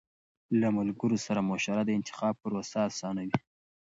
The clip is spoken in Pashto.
له ملګرو سره مشوره د انتخاب پروسه آسانوي.